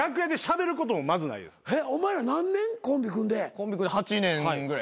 コンビ組んで８年ぐらい。